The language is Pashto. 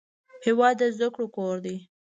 هېواد د زده کړو کور دی.